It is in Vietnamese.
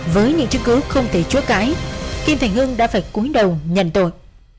với những chứng cứ không thể chúa cãi kim thành hưng đã phải cuối đầu nhận tội